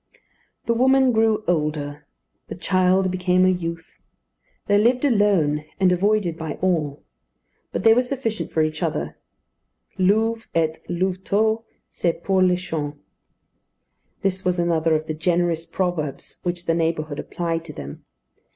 The woman grew older; the child became a youth. They lived alone and avoided by all; but they were sufficient for each other. Louve et louveteau se pourlèchent. This was another of the generous proverbs which the neighbourhood applied to them.